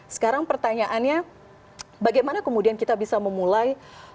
sekarang pertanyaannya bagaimana kemudian kita bisa memulai